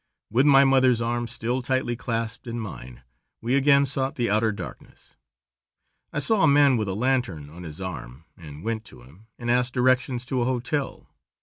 With my mother's arm still tightly clasped in mine, we again sought the outer darkness. I saw a man with a lantern on his arm, and went to him and asked directions to a hotel.